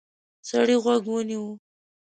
سړی غوږ ونیو.